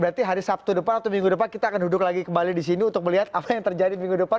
berarti hari sabtu depan atau minggu depan kita akan duduk lagi kembali di sini untuk melihat apa yang terjadi minggu depan